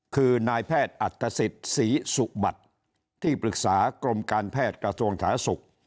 คือนายแพทย์อัตภศิษย์ศรีสุบัติที่ปรึกษากรมการแพทย์กระทรวงสาธารณสุข